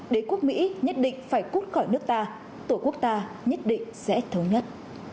đế quốc mỹ nhất định phải cút khỏi nước ta tổ quốc ta nhất định sẽ thống nhất